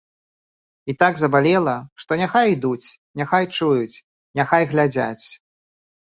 І так забалела, што няхай ідуць, няхай чуюць, няхай глядзяць.